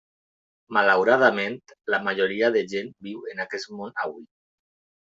Malauradament, la majoria de gent viu en aquest món avui.